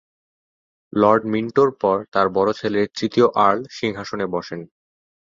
Lord মিন্টোর পর তার বড় ছেলে তৃতীয় আর্ল সিংহাসনে বসেন।